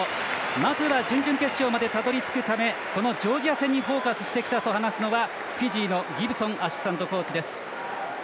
まずは準々決勝までたどり着くためこのジョージア戦にフォーカスしてきたと話すのはフィジーのアシスタントコーチ。